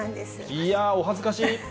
いやー、お恥ずかしい。